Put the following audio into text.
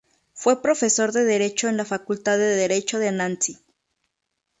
Fue profesor de Derecho en la Facultad de Derecho de Nancy.